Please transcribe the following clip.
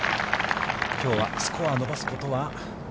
きょうはスコアを伸ばすことは。